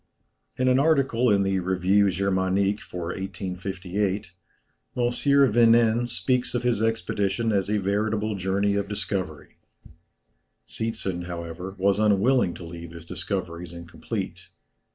In an article in the Revùe Germanique for 1858, M. Vinen speaks of his expedition as a veritable journey of discovery. Seetzen, however, was unwilling to leave his discoveries incomplete.